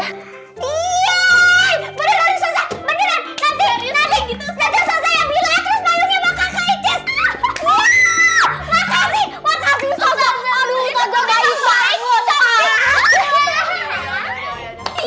saya bilang terus bayunya bakal kecil makasih makasih soso aduh